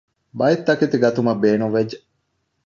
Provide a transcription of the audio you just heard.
ބައެއްތަކެތި ގަތުމަށް ބޭނުންވެއްޖެ